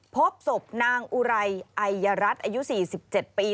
พบศพนางอุไรไอยรัฐอายุ๔๗ปี